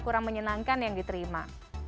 kurang menyenangkan yang diterima